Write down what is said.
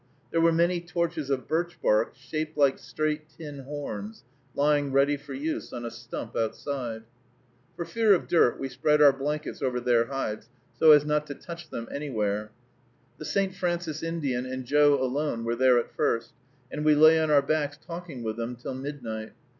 There were many torches of birch bark, shaped like straight tin horns, lying ready for use on a stump outside. For fear of dirt, we spread our blankets over their hides, so as not to touch them anywhere. The St. Francis Indian and Joe alone were there at first, and we lay on our backs talking with them till midnight.